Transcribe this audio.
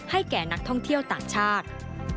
แก่นักท่องเที่ยวต่างชาติ